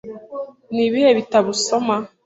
Ni ibihe bitabo usoma?